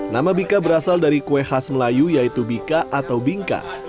nama bika berasal dari kue khas melayu yaitu bika atau bingka